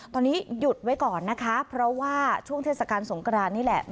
ตอนนี้หยุดไว้ก่อนนะคะเพราะว่าช่วงเทศกาลสงกรานนี่แหละ